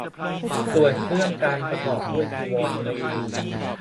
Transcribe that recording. ส่วนเครื่องกัณฑ์ประกอบด้วย จีวรเนื้อดี